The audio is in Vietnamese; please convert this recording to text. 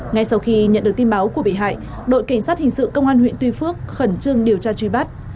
ngay sau khi nhận được tin báo của bị hại đội cảnh sát hình sự công an huyện tuy phước khẩn trương điều tra truy bắt